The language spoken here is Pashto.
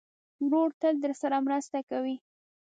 ورور تل درسره مرسته کوي.